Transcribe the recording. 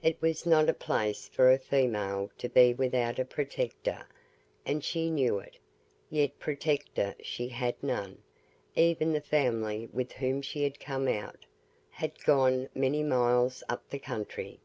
It was not a place for a female to be without a protector, and she knew it, yet protector she had none; even the family with whom she had come out, had gone many miles up the country.